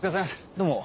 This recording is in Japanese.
どうも。